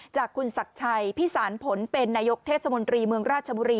จากคุณสักฉัยพี่สานโผล่เป็นนายกเทศบนทรีย์เมืองราชมุรี